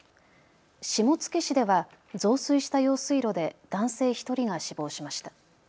下野市では増水した用水路で男性１人が死亡しました。